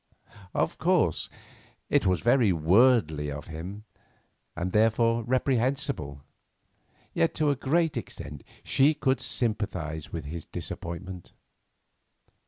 Of course, it was very worldly of him, and therefore reprehensible; yet to a great extent she could sympathise with his disappointment.